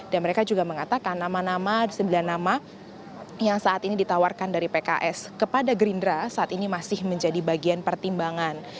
dan mereka juga mengatakan nama nama sembilan nama yang saat ini ditawarkan dari pks kepada gerindra saat ini masih menjadi bagian pertimbangan